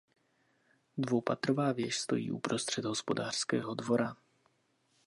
Dvoupatrová věž stojí uprostřed hospodářského dvora.